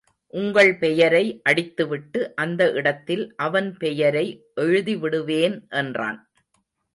உங்கள் பெயரை அடித்துவிட்டு அந்த இடத்தில் அவன் பெயரை எழுதிவிடுவேன் என்றான்.